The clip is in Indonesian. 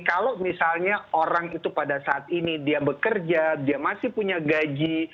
kalau misalnya orang itu pada saat ini dia bekerja dia masih punya gaji